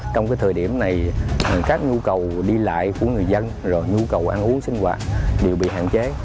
trong thời điểm này các nhu cầu đi lại của người dân nhu cầu ăn uống sinh hoạt đều bị hạn chế